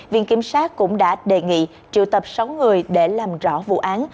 viện kiểm sát cũng đã đề nghị triệu tập sáu người để làm rõ vụ án